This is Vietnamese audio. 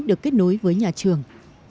được kết nối với nhà trường